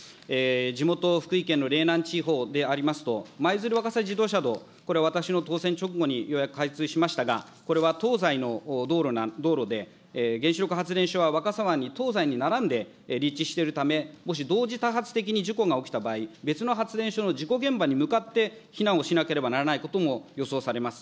地元、福井県の嶺南地方でありますけれども、まいづるわかさ自動車道、これ、私の当選直後にようやく開通しましたが、これは東西の道路で、原子力発電所は若狭湾に東西に並んで立地しているため、もし同時多発的に事故が起きた場合、別の発電所の事故現場に向かって避難をしなければならないことも予想されます。